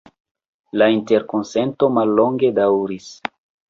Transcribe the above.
La interkonsento mallonge daŭris.